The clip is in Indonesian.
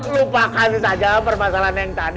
lupakan saja permasalahan yang tadi